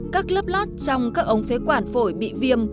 các lớp lát trong các ống phế quản phổi bị viêm